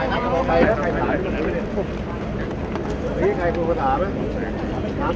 สวัสดีครับทุกคน